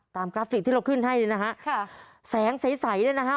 กราฟิกที่เราขึ้นให้เนี่ยนะฮะค่ะแสงใสใสเนี่ยนะฮะ